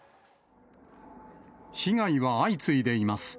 被害は相次いでいます。